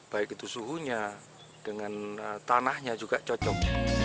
baik itu suhunya dengan tanahnya juga cocok